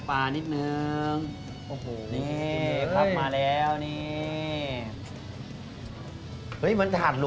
อย่างยิงเยาว์ป่าวยิงชุบ